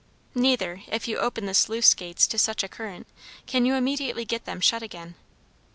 Neither, if you open the sluice gates to such a current, can you immediately get them shut again.